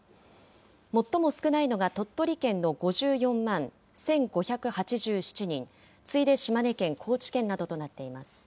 最も少ないのが鳥取県の５４万１５８７人、次いで島根県、高知県などとなっています。